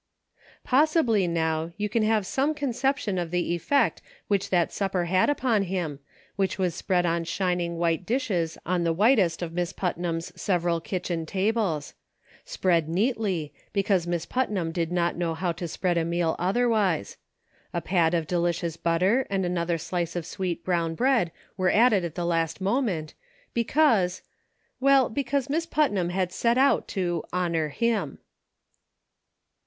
Possibly, now, you can have some conception of the effect which that supper had upon him, which was spread on shining white dishes on the whitest of Miss Putnam's several kitchen tables ; spread neatly, because Miss Putnam did not know how to spread a meal otherwise ; a pat of delicious butter and another slice of sweet brown bread were added at the last moment, because — well, because Miss Putnam had set out to "honor Him."